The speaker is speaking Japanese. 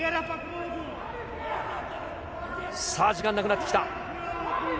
さあ、時間なくなってきた。